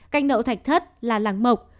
canh nậu thạch thất là lắng mộc